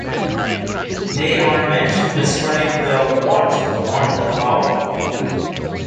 They are meant to describe the "what", not the "how".